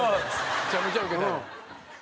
めちゃめちゃウケたよ。